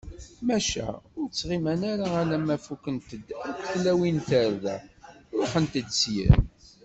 Maca ur ttɣiman ara, alamma fukkent-d akk tlawin tarda, ṛuḥent-d syin.